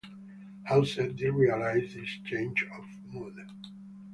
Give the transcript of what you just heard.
Hauser did realise this change of mood.